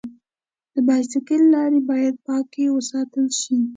د بایسکل لارې باید پاکې وساتل شي.